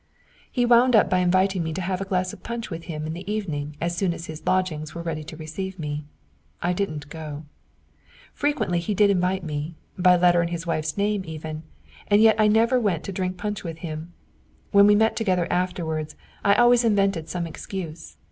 He wound up by inviting me to have a glass of punch with him in the evening as soon as his lodgings were ready to receive me. I didn't go. Frequently did he invite me, by letter in his wife's name even, and yet I never went to drink punch with them. When we met together afterwards, I always invented some excuse.